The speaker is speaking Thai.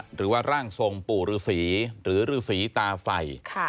หรือว่าร่างทรงปู่ฤษีหรือฤษีตาไฟ